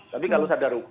tapi kalau sadar hukum